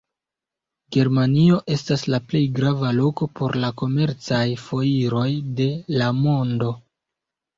Germanio estas la plej grava loko por la komercaj foiroj de la mondo.